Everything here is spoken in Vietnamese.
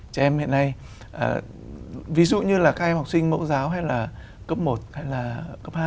trẻ em hiện nay ví dụ như là các em học sinh mẫu giáo hay là cấp một hay là cấp hai